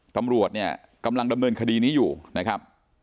ตำรวจเนี่ยกำลังดำเนินคดีนี้อยู่นะครับ